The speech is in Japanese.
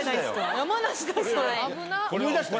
山梨だそれ。